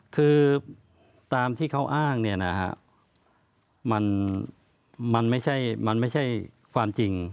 คือตามที่เขาอ้างเนี่ยนะคะมันไม่ใช่ความจริง